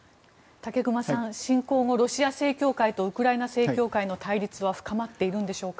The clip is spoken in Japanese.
武隈さん、侵攻後ロシア正教会とウクライナ正教会の対立は深まっているんでしょうか？